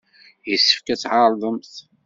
Yessefk ad tɛerḍemt!